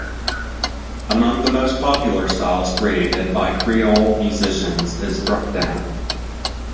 Among the most popular styles created by Kriol musicians is brukdown.